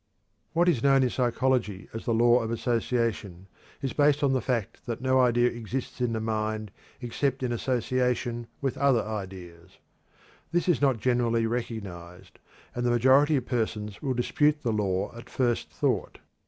What is known in psychology as the Law of Association is based on the fact that no idea exists in the mind except in association with other ideas. This is not generally recognized, and the majority of persons will dispute the law at first thought.